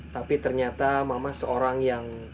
tapi ternyata mama seorang yang